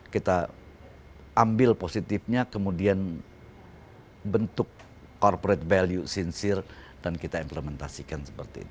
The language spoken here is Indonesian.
kita ambil positifnya kemudian bentuk corporate value sincir dan kita implementasikan seperti itu